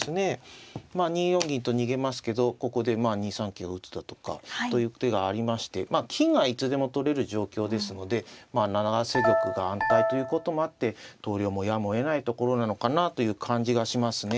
まあ２四銀と逃げますけどここでまあ２三桂を打つだとかという手がありましてまあ金がいつでも取れる状況ですのでまあ永瀬玉が安泰ということもあって投了もやむをえないところなのかなという感じがしますね。